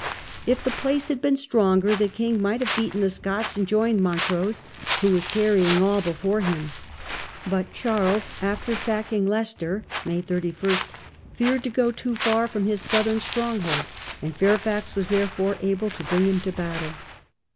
If the place had been stronger the king might have beaten the Scots and joined Montrose, who was carrying all before him. But Charles, after sacking Leicester (May 31), feared to go too far from his southern stronghold, and Fairfax was therefore able to bring him to battle.